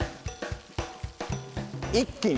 一気に？